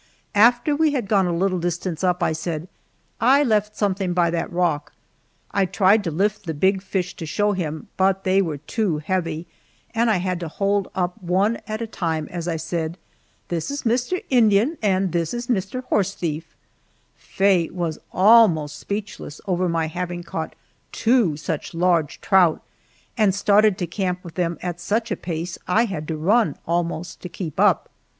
After we had gone a little distance up I said, "I left something by that rock." I tried to lift the big fish to show him, but they were too heavy, and I had to hold up one at a time as I said, "This is Mr. Indian and this Mr. Horse Thief!" Faye was almost speechless over my having caught two such large trout, and started to camp with them at such a pace I had to run, almost, to keep up.